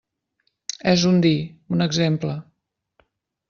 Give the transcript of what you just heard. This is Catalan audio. És un dir, un exemple.